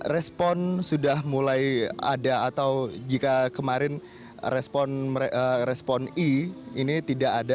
respon sudah mulai ada atau jika kemarin respon i ini tidak ada